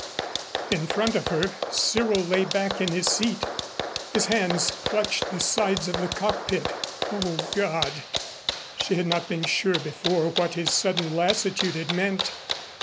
In front of her Cyril lay back in his seat. His hands clutched the sides of the cockpit. O God! She had not been sure before what his sudden lassitude had meant.